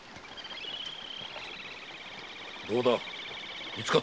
どうだみつかったか？